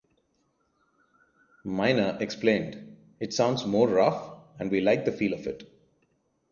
Meine explained: It sounds more rough and we like the feel of it.